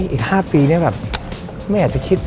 อีก๕ปีไม่อยากจะคิด